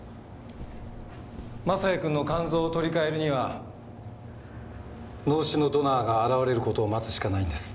雅也君の肝臓を取り替えるには脳死のドナーが現れる事を待つしかないんです。